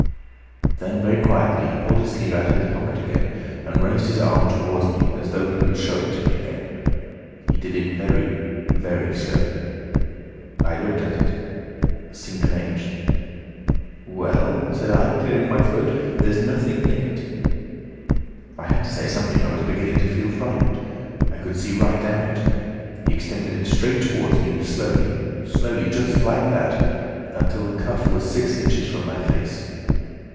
Then very quietly he pulled his sleeve out of his pocket again, and raised his arm towards me as though he would show it to me again. He did it very, very slowly. I looked at it. Seemed an age. 'Well?' said I, clearing my throat, 'there's nothing in it.' "Had to say something. I was beginning to feel frightened. I could see right down it. He extended it straight towards me, slowly, slowly—just like that—until the cuff was six inches from my face.